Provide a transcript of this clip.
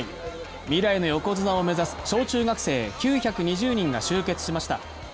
未来の横綱を目指す小中学生９２０人が集結しました。